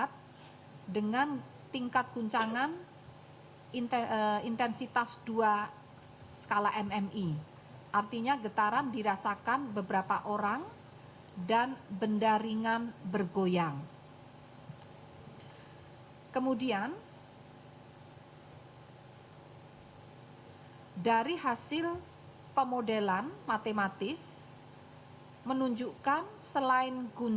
senter gempa bumi terletak pada koordinat tujuh tiga puluh dua lintang selatan saya ulangi tujuh tiga puluh dua derajat bujur timur